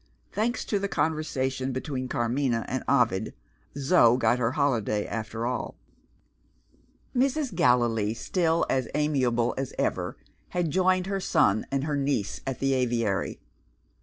Thanks to the conversation between Carmina and Ovid, Zo got her holiday after all. Mrs. Gallilee, still as amiable as ever, had joined her son and her niece at the aviary.